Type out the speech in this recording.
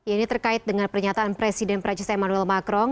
ini terkait dengan pernyataan presiden perancis emmanuel macron